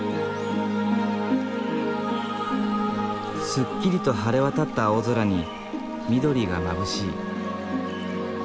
すっきりと晴れ渡った青空に緑がまぶしい。